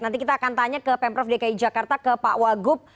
nanti kita akan tanya ke pemprov dki jakarta ke pak wagub